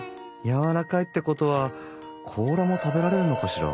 やわらかいってことは甲羅も食べられるのかしら。